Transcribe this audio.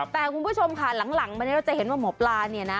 แต่คุณผู้ชมค่ะหลังวันนี้เราจะเห็นว่าหมอปลาเนี่ยนะ